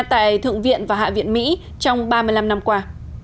tại thượng viện và hạ viện mỹ trong ba mươi năm năm qua